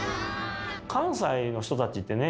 関西の人たちってね